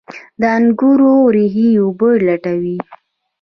د انګورو ریښې اوبه لټوي.